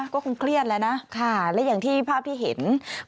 ก็คงเครียดแล้วนะค่ะและอย่างที่ภาพที่เห็น